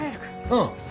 うん。